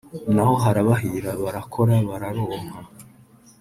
naho harabahira barakora bararonka